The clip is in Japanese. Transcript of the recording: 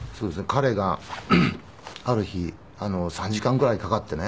彼がある日３時間ぐらいかかってね